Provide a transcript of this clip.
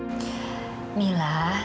namun aku bisa berdiri sepenuhnya